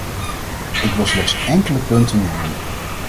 Ik wil slechts enkele punten noemen.